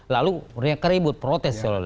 lalu mereka ribut protes